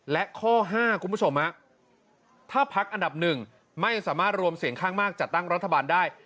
และข้อ๕คุณผู้ชมถ้าพักอันดับหนึ่งไม่สามารถรวมเสียงข้างมากจัดตั้งรัฐบาลได้